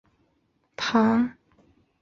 也是司铎级枢机前田万叶的领衔圣堂。